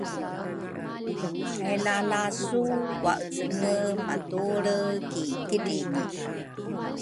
kay lalasu waecenge patuelre ki kidringi.